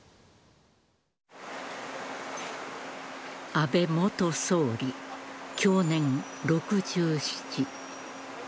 安倍元総理、享年６７。